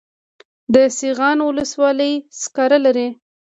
د سیغان ولسوالۍ سکاره لري